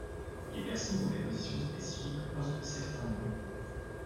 Les piercings dans des positions spécifiques portent certains noms.